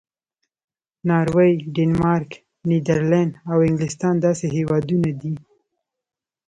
ناروې، ډنمارک، نیدرلینډ او انګلستان داسې هېوادونه دي.